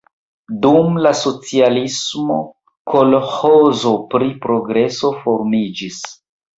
Dum la socialismo kolĥozo pri Progreso formiĝis.